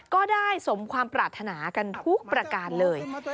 ก็ได้สมความปรารถนากันทุกประการเลย